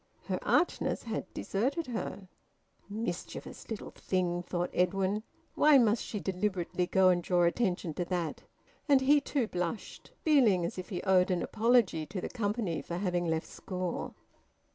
Her archness had deserted her. "Mischievous little thing!" thought Edwin. "Why must she deliberately go and draw attention to that?" And he too blushed, feeling as if he owed an apology to the company for having left school.